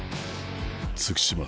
月島。